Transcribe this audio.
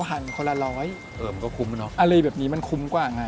อะไรแบบนี้มันคุ้มกว่าไง